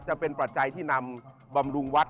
จะเป็นปัจจัยที่นำบำรุงวัด